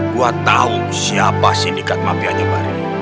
gua tau siapa sindikat mafianya bari